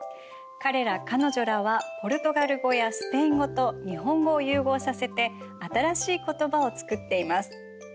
彼ら彼女らはポルトガル語やスペイン語と日本語を融合させて新しい言葉を作っています。